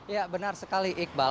ya benar sekali iqbal